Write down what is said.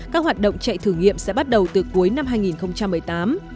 các hoạt động chạy thử nghiệm sẽ bắt đầu từ cuối năm hai nghìn một mươi tám